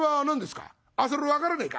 「それ分からねえか？